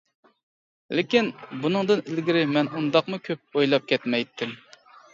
لېكىن، بۇنىڭدىن ئىلگىرى مەن ئۇنداقمۇ كۆپ ئويلاپ كەتمەيتتىم.